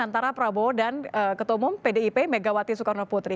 antara prabowo dan ketua umum pdip megawati soekarno putri